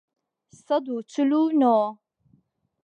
سەد و چل و نۆ